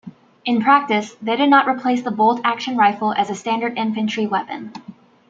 In practice, they did not replace the bolt-action rifle as a standard infantry weapon.